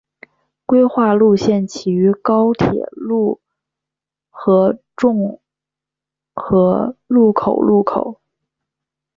规划路线起于高铁路和重和路口路口。